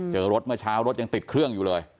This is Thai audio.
เจอรถเมื่อเช้ารถยังติดเครื่องอยู่เลย